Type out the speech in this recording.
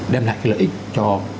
đem lại cái lợi ích cho